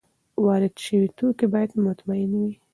وارد شوي توکي باید مطمین وي.